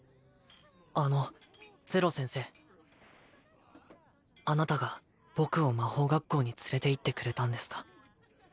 あのゼロ先生あなたが僕を魔法学校に連れて行ってくれたんですか？